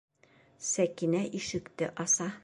Сәкинә ишекте аса.